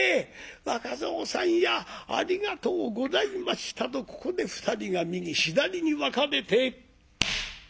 「若蔵さんやありがとうございました」とここで２人が右左に分かれて。